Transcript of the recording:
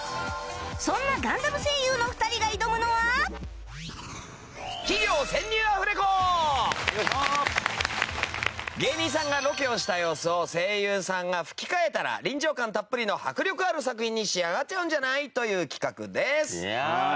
そんな芸人さんがロケをした様子を声優さんが吹き替えたら臨場感たっぷりの迫力ある作品に仕上がっちゃうんじゃない？という企画です。